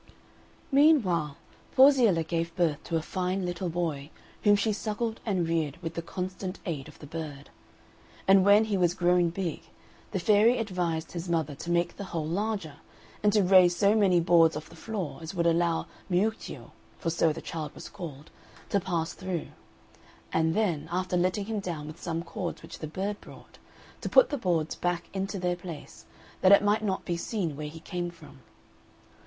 Meanwhile Porziella gave birth to a fine little boy, whom she suckled and reared with the constant aid of the bird. And when he was grown big, the fairy advised his mother to make the hole larger, and to raise so many boards of the floor as would allow Miuccio (for so the child was called) to pass through; and then, after letting him down with some cords which the bird brought, to put the boards back into their place, that it might not be seen where he came from.